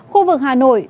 khu vực hà nội